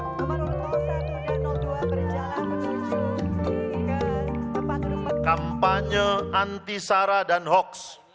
kampanye antisara dan hoax